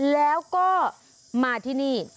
แล้วก็มาที่นี่